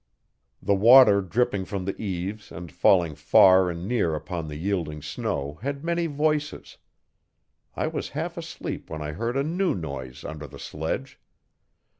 The water dripping from the eaves and falling far and near upon the yielding snow had many voices. I was half asleep when I heard a new noise under the sledge.